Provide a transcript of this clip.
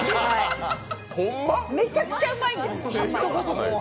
めちゃくちゃうまいです。